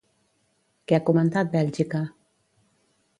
Què ha comentat Bèlgica?